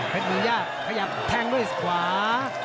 เพชรมงญาขยับแทงด้วยสิขวา